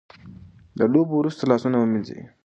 د لوبو وروسته لاسونه ومینځئ.